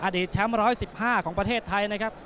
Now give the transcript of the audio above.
อดีตแชมป์๑๑๕ของประเทศไทย